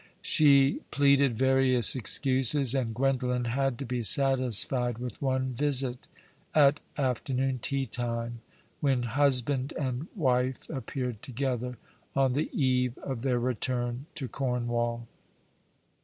She pleaded various excuses ; and Gwendolen had to be satisfied with one visit, at afternoon teatime, when husband and wife ajipeared together, on the eve of their return to Cornwall.